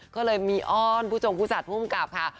ก็เลยมีอ้อนผู้จงผู้จัดภูมิกับค่ะ